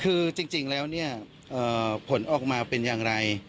คือจริงแล้วเนี่ยผลออกมาเป็นอย่างไร